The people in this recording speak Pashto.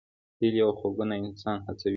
هیلې او خوبونه انسان هڅوي.